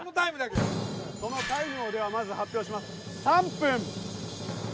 そのタイムをではまず発表します。